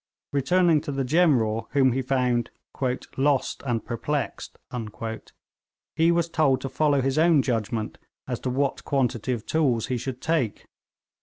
Returning to the General, whom he found 'lost and perplexed,' he was told to follow his own judgment as to what quantity of tools he should take.